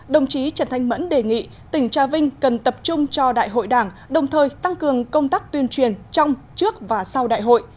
đồng chí trần thanh mẫn đề nghị tỉnh trà vinh cần tập trung cho đại hội đảng đồng thời tăng cường công tác tuyên truyền trong trước và sau đại hội